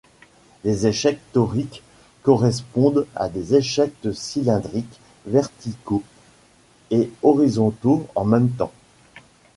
Les échecs toriques correspondent à des échecs cylindriques verticaux et horizontaux en même temps.